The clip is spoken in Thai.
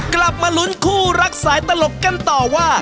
กลับมาลุ้นคู่รักสายตลกกันต่อว่า